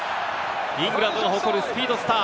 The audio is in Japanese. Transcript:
イングランドが誇るスピードスター。